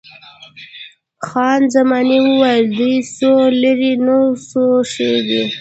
خان زمان وویل، دوه سوه لیرې نو څه شی دي؟